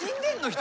人。